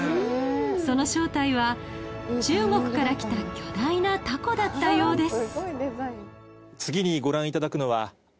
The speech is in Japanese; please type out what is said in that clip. その正体は中国から来た巨大な凧だったようです